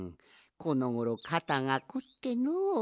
このごろかたがこってのう。